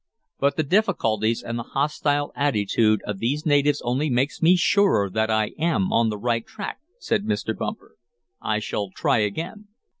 "But the difficulties and the hostile attitude of these natives only makes me surer that I am on the right track," said Mr. Bumper. "I shall try again."